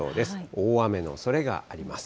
大雨のおそれがあります。